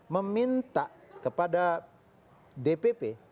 meminta kepada dpp